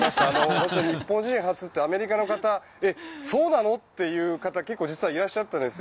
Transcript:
本当に日本人初ってアメリカの方そうなの？っていう方実は結構いらっしゃったんです。